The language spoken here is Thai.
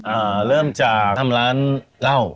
อ่าเริ่มจากทำร้านเหล้า